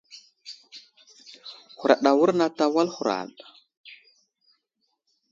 Huraɗ awurnat a wal huraɗ.